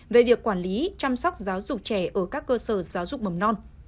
về việc quản lý chăm sóc giáo dục trẻ ở các cơ sở giáo dục mầm non